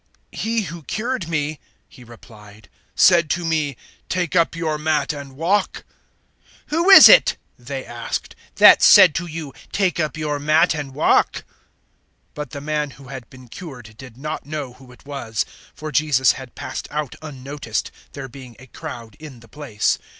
005:011 "He who cured me," he replied, "said to me, `Take up your mat and walk.'" 005:012 "Who is it," they asked, "that said to you, `Take up your mat and walk'?" 005:013 But the man who had been cured did not know who it was; for Jesus had passed out unnoticed, there being a crowd in the place.